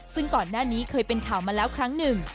ซึ่งก่อนหน้านี้เคยเป็นข่าวมาแล้วครั้งหนึ่ง